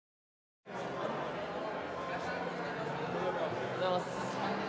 おはようございます。